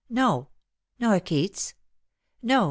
" No." "Nor Keats." " No.